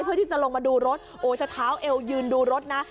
เพื่อที่จะลงมาดูรถโอ้จะเท้าเอวยืนดูรถนะ